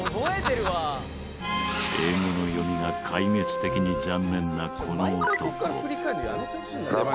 英語の読みが壊滅的に残念なこの男。